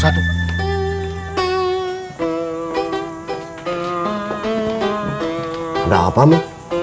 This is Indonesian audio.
ada apa mu